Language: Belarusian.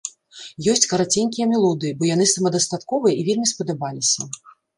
Ёсць караценькія мелодыі, бо яны самадастатковыя і вельмі спадабаліся.